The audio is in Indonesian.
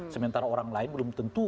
sementara orang lain belum tentu